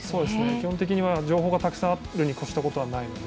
基本的には情報がたくさんあるに越したことはないので。